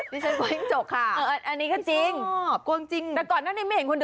แมวง่วง